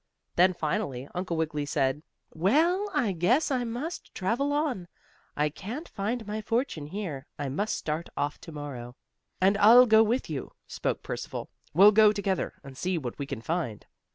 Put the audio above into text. Then, finally, Uncle Wiggily said: "Well, I guess I must travel on. I can't find my fortune here. I must start off to morrow." "And I'll go with you," spoke Percival. "We'll go together, and see what we can find."